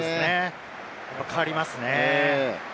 変わりますね。